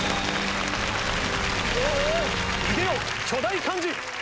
いでよ巨大漢字！